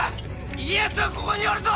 家康はここにおるぞ！